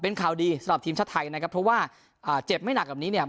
เป็นข่าวดีสำหรับทีมชาติไทยนะครับเพราะว่าอ่าเจ็บไม่หนักแบบนี้เนี่ย